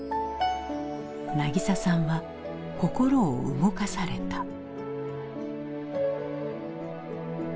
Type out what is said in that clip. なぎささんは心を動かされた。